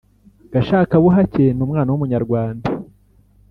gashakabuhake ni umwana w'umunyarwanda